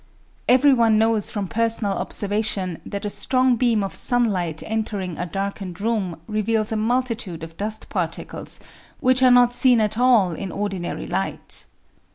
Everyone knows from personal observation that a strong beam of sunlight entering a darkened room reveals a multitude of dust particles, which are not seen at all in ordinary light.